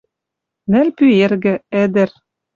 Нӹл пӱэргӹ, ӹдӹр.